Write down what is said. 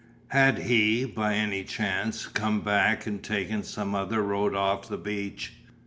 Had he, by any chance, come back and taken some other road off the beach?